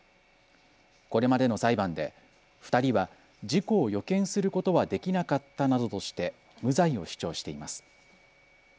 これまでの裁判で２人は事故を予見することはできなかったなどとして無罪を主張しています。